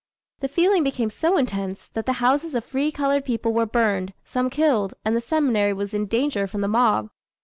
The feeling became so intense, that the houses of free colored people were burned, some killed, and the seminary was in danger from the mob.